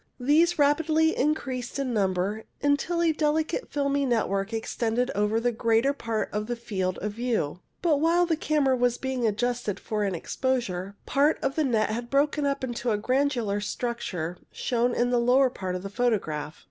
These rapidly increased in num ber, until a delicate filmy network extended over the greater part of the field of view. But while the camera was being adjusted for an exposure, part of the net had broken up into the granular structure shown in the lower part of the photograph.